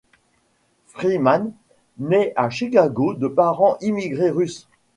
Friedman naît à Chicago de parents émigrés russes.